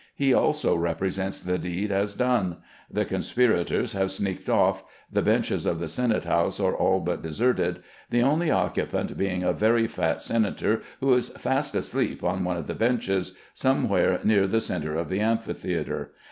He also represents the deed as done. The conspirators have sneaked off. The benches of the senate house are all but deserted, the only occupant being a very fat senator, who is fast asleep on one of the benches, somewhere near the centre of the amphitheatre.